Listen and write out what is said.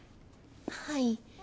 はい。